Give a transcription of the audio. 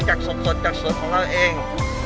จากสดจากสวนของเราเอง